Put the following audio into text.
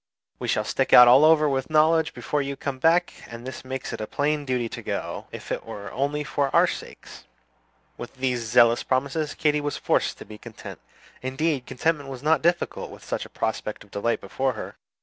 We shall stick out all over with knowledge before you come back; and this makes it a plain duty to go, if it were only for our sakes." With these zealous promises, Katy was forced to be content. Indeed, contentment was not difficult with such a prospect of delight before her.